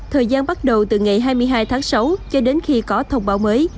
thời gian bắt đầu từ ngày hai mươi hai tháng sáu cho đến khi có thông báo mới